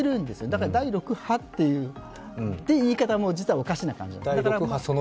だから第６波という言い方も実はおかしな感じなんです。